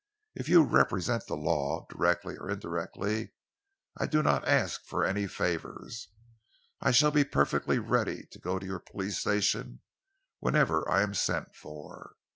If you represent the law, directly or indirectly, I do not ask for any favours. I shall be perfectly ready to go to your police station whenever I am sent for."